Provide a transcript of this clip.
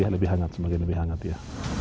ya lebih hangat semakin lebih hangat ya